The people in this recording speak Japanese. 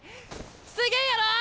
すげえやろ！